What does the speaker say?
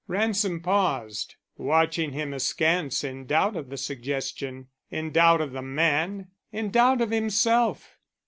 Ransom paused, watching him askance in doubt of the suggestion, in doubt of the man, in doubt of himself.